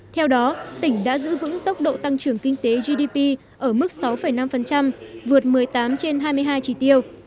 theo đó tỉnh đã giữ vững tốc độ tăng trưởng kinh tế gdp ở mức sáu năm vượt một mươi tám trên hai mươi hai chỉ tiêu